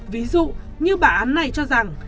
ví dụ như bản án này cho rằng